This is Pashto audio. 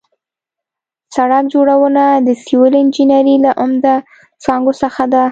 سړک جوړونه د سیول انجنیري له عمده څانګو څخه ده